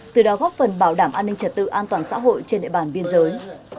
từ đó góp phần bảo đảm an ninh trật tự an toàn xã hội trên địa bàn biên giới